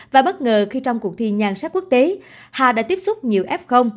và bất ngờ khi trong cuộc thi nhan sắc quốc tế hà đã tiếp xúc nhiều f